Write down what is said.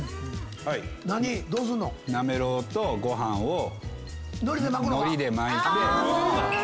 なめろうとご飯を海苔で巻いて。